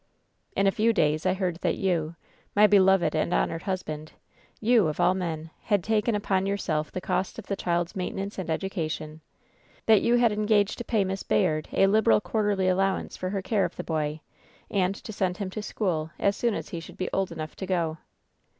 "" ''T[n a few days I heard that you, my beloved and hon ored husband — ^you, of all men — ^had taken upon your self the cost of the child's maintenance and education ; that you had engaged to pay Miss Bayard a liberal quarterly allowance for her care of the boy, and to send him to school, as soon as he should be old enough to go.